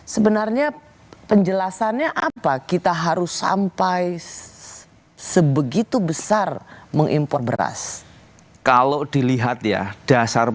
sebenarnya penjelasannya apa kita harus sampai sebegitu besar mengimpor beras